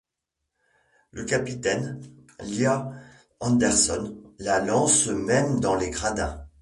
Le capitaine, Lias Andersson, la lance même dans les gradins.